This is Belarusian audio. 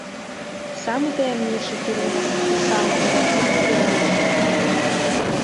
Самы таямнічы кірунак і самы дарагі для беларусаў.